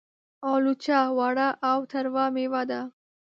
الوچه وړه او تروه مېوه ده.